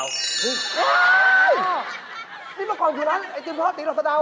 มันมาก่อนอยู่ร้านไอติมทอดตีหลอกสด่าว